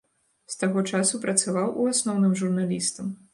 З таго часу працаваў у асноўным журналістам.